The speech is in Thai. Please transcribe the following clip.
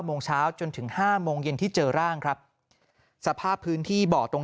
โมงเช้าจนถึงห้าโมงเย็นที่เจอร่างครับสภาพพื้นที่บ่อตรง